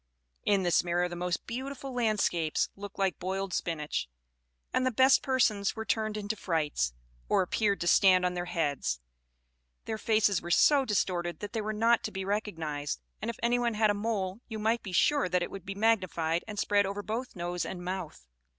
In this mirror the most beautiful landscapes looked like boiled spinach, and the best persons were turned into frights, or appeared to stand on their heads; their faces were so distorted that they were not to be recognised; and if anyone had a mole, you might be sure that it would be magnified and spread over both nose and mouth.